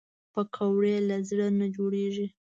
پکورې له زړه نه جوړېږي